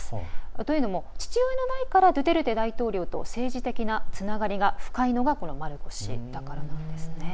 というのも、父親の代からドゥテルテ大統領と政治的なつながりが深いのはマルコス氏だからなんです。